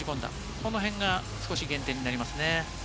そのへんが少し減点になりますね。